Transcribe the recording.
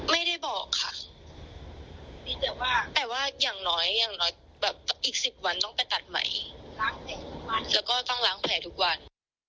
ไม่ได้บอกค่ะแต่ว่าแต่ว่าอย่างน้อยอย่างน้อยแบบอีก๑๐วันต้องไปตัดใหม่ทุกวันแล้วก็ต้องล้างแผลทุกวัน